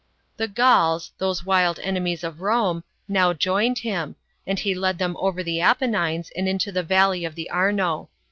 The Gauls those wild enemies of Rome now joined him, and he led them over the Apennines and into the valley of the Arno.